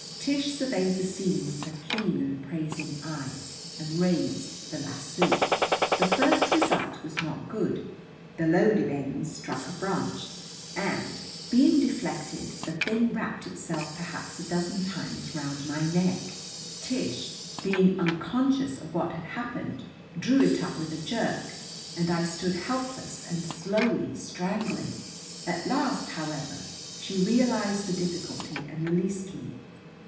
Tish surveyed the scene with her keen and appraising eye, and raised the lasso. The first result was not good. The loaded end struck a branch, and, being deflected, the thing wrapped itself perhaps a dozen times round my neck. Tish, being unconscious of what had happened, drew it up with a jerk, and I stood helpless and slowly strangling. At last, however, she realized the difficulty and released me.